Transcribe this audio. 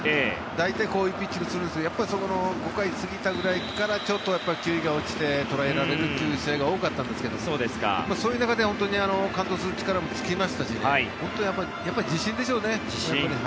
大体、こういうピッチングをするんですが５回を過ぎた辺りからちょっと球威が落ちて捉えられる試合が多かったんですけどそういう中で完投する力もつきましたしやっぱり自信でしょうね。